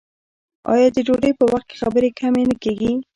آیا د ډوډۍ په وخت کې خبرې کمې نه کیږي؟